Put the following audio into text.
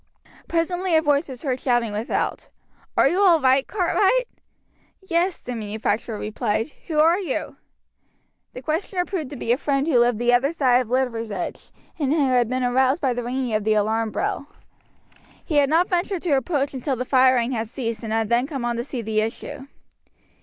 Presently a voice was heard shouting without: "Are you all right, Cartwright?" "Yes," the manufacturer replied. "Who are you?" The questioner proved to be a friend who lived the other side of Liversedge, and who had been aroused by the ringing of the alarm bell. He had not ventured to approach until the firing had ceased, and had then come on to see the issue.